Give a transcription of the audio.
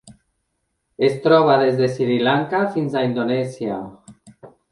Es troba des de Sri Lanka fins a Indonèsia.